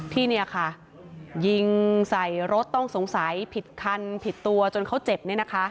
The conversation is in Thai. ที่เนี่ยค่ะยิงใส่รถต้องสงสัยผิดคันผิดตัวจนเขาเจ็บเนี่ยนะคะ